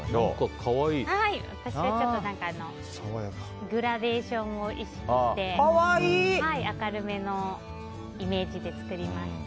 私はグラデーションを意識して明るめのイメージで作りました。